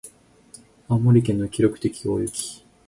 青森県の記録的大雪